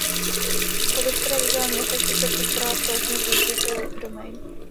O veškeré vizuální efekty se postarala společnost Digital Domain.